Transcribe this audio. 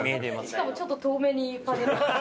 しかもちょっと遠めにパネルが。